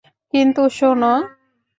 কিন্তু, শোনো!